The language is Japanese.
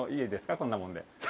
こんなもんで。